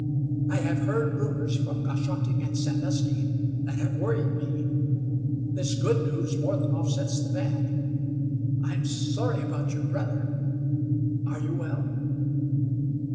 I have heard rumors from Goshocking and Sandusky that have worried me. This good news more than offsets the bad. I am sorry about your brother. Are you well?"